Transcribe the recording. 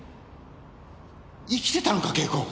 生きてたのか慶子。